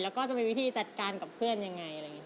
แล้วก็จะมีวิธีจัดการกับเพื่อนอย่างไร